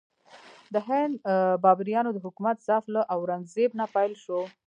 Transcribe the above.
د هند بابریانو د حکومت ضعف له اورنګ زیب نه پیل شو.